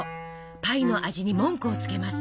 パイの味に文句をつけます。